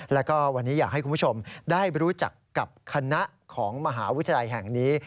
แล้วก็วันนี้อยากให้คุณผู้ชมได้รู้จักกับคณะของมหาวิทยาลัยแห่งนี้